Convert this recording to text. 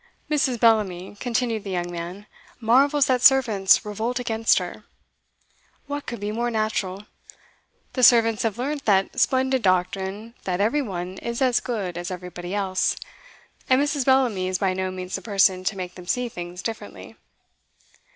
'Mrs. Bellamy,' continued the young man, 'marvels that servants revolt against her. What could be more natural? The servants have learnt that splendid doctrine that every one is as good as everybody else, and Mrs. Bellamy is by no means the person to make them see things differently.